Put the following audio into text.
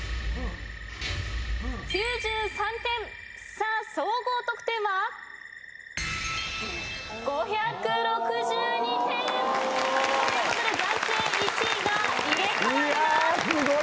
さあ総合得点は？ということで暫定１位が入れ替わります。